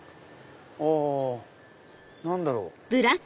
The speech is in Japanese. あ何だろう？